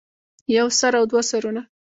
يو سر او دوه سرونه